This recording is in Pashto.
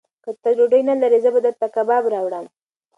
که ته ډوډۍ نه لرې، زه به درته کباب راوړم.